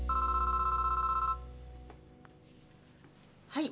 はい。